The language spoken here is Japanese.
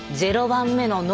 ０番目の脳？